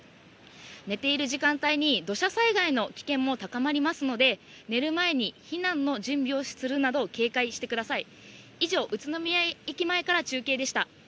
寝ている時間帯に土砂災害の危険も高まりますので、寝る前に避難の準備をするなど、警戒してください。